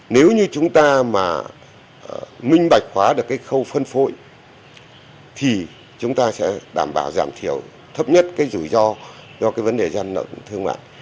nếu như chúng ta mà minh bạch hóa được cái khâu phân phối thì chúng ta sẽ đảm bảo giảm thiểu thấp nhất cái rủi ro do cái vấn đề gian nợ thương mại